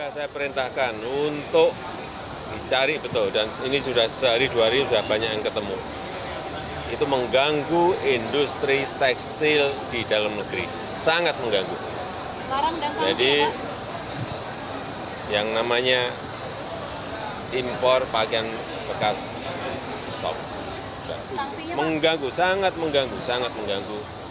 sangat mengganggu jadi yang namanya impor pakaian bekas stop mengganggu sangat mengganggu